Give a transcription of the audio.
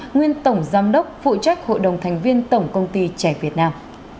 nguyên tổng giám đốc phụ trách hội đồng thành viên tổng công ty trẻ việt nam